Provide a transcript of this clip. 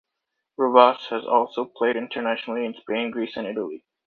Rivas has also played internationally in Spain, Greece, and Italy.